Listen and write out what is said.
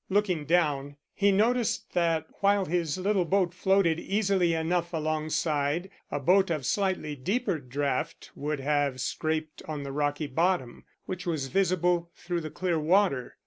Looking down, he noticed that while his little boat floated easily enough alongside, a boat of slightly deeper draught would have scraped on the rocky bottom, which was visible through the clear water.